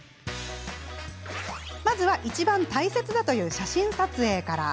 まずは、いちばん大切だという写真撮影から。